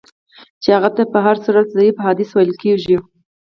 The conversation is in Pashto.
چي هغه ته په هر صورت ضعیف حدیث ویل کیږي.